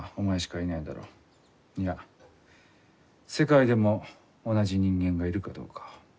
いや世界でも同じ人間がいるかどうか。